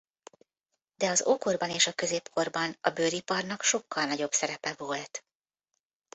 De az ókorban és a középkorban a bőriparnak sokkal nagyobb szerepe volt.